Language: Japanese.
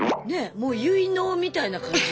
もう結納みたいな感じでしょ？